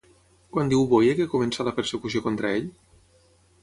Quan diu Boye que comença la persecució contra ell?